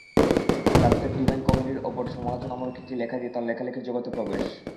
দান্তের divine কমেডির ওপর সমালোচনামূলক একটি লেখা দিয়ে তাঁর লেখালেখির জগতে প্রবেশ।